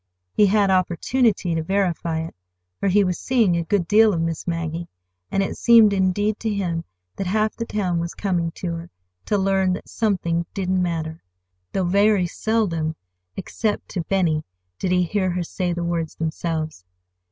He had opportunity to verify it, for he was seeing a good deal of Miss Maggie, and it seemed, indeed, to him that half the town was coming to her to learn that something "didn't matter"—though very seldom, except to Benny, did he hear her say the words themselves.